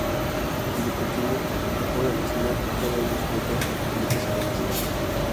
Desde pequeño, el joven Alexander ha guardado un secreto que le pesa demasiado.